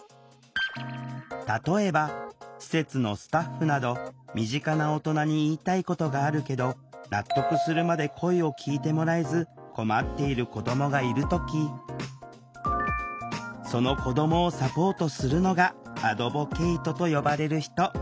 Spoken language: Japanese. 例えば施設のスタッフなど身近な大人に言いたいことがあるけど納得するまで声を聴いてもらえず困っている子どもがいる時その子どもをサポートするのがアドボケイトと呼ばれる人。